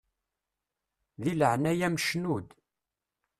Di leɛnaya-m cnu-d!